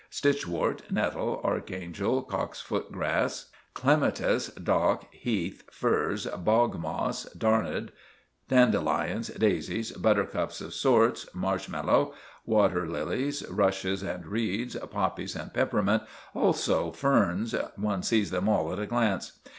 Stitchwort, nettle, archangel, cock's foot grass, clematis, dock, heath, furze, bog moss, darnel, dandelions, daisies, buttercups of sorts, marshmallow, water lilies, rushes and reeds, poppies and peppermint, also ferns—one sees them all at a glance.